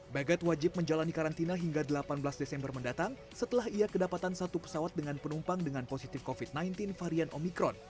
bagat wajib menjalani karantina hingga delapan belas desember mendatang setelah ia kedapatan satu pesawat dengan penumpang dengan positif covid sembilan belas varian omikron